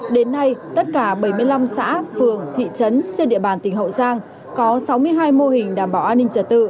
đến nay tất cả bảy mươi năm xã phường thị trấn trên địa bàn tỉnh hậu giang có sáu mươi hai mô hình đảm bảo an ninh trật tự